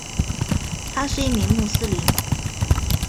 他是一名穆斯林。